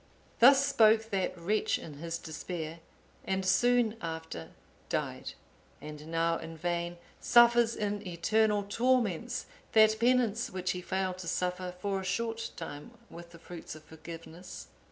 Thus spoke that wretch in his despair, and soon after died, and now in vain suffers in eternal torments that penance which he failed to suffer for a short time with the fruits of forgiveness.